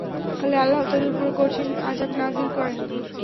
ফলে আল্লাহ তাদের উপর কঠিন আযাব নাযিল করেন।